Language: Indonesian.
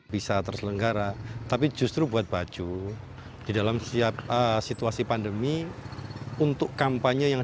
bisa terselenggara tapi justru buat baju di dalam setiap situasi pandemi untuk kampanye yang